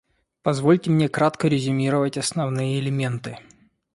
Позвольте мне кратко резюмировать основные элементы.